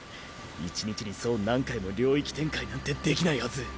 一日にそう何回も領域展開なんてできないはず。